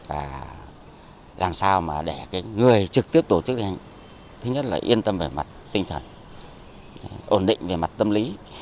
và làm sao mà để cái người trực tiếp tổ chức thi hành thứ nhất là yên tâm về mặt tinh thần ổn định về mặt tâm lý